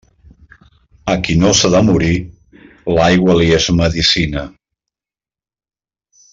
A qui no s'ha de morir, l'aigua li és medecina.